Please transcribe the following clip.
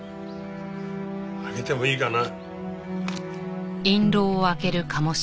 開けてもいいかな？